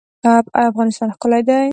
آیا افغانستان ښکلی دی؟